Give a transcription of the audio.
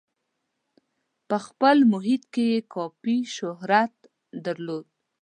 په خپل محیط کې یې کافي شهرت درلود.